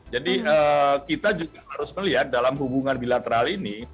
jadi kita juga harus melihat dalam hubungan bilateral ini